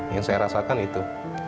yang saya rasakan itu